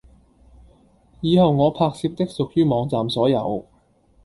以後我拍攝的屬於網站所有